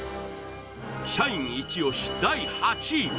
社員イチ押し第８位は